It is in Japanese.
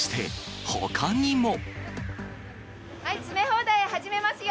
はい、詰め放題始めますよ。